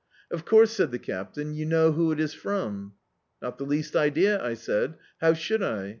"Of course," said the Captain, "you know who it is from?" "Not the least idea," I said, "how should I?"